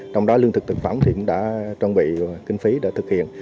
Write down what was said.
trong đó lương thực thực phẩm thì cũng đã chuẩn bị kinh phí đã thực hiện